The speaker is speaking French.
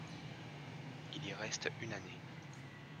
Il y reste une année.